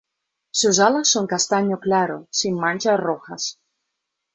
Sus alas son castaño claro, sin manchas rojas.